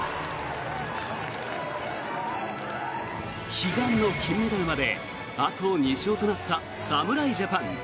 悲願の金メダルまであと２勝となった侍ジャパン。